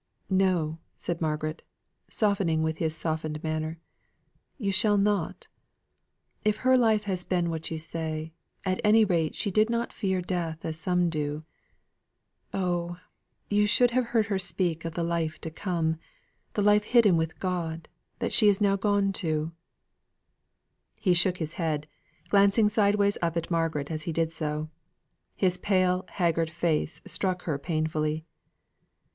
"No," said Margaret, softening with his softened manner. "You shall not. If her life has been what you say, at any rate she did not fear death as some do. Oh, you should have heard her speak of the life to come the life hidden with God, that she is now gone to." He shook his head, glancing sideways up at Margaret as he did so. His pale haggard face struck her painfully.